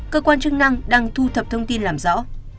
cơ quan chức năng đang thu thập thông tin làm rõ